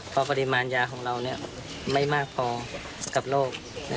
เพราะปริมาณยาของเราไม่มากพอกับโรค